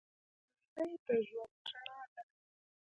ښوونځی د ژوند رڼا ده